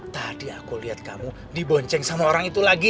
tadi aku lihat kamu dibonceng sama orang itu lagi